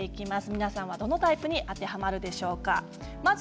皆さんはどのタイプに当てはまるでしょうか。